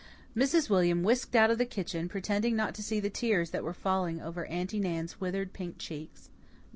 Mrs. William whisked out of the kitchen, pretending not to see the tears that were falling over Aunty Nan's withered pink cheeks.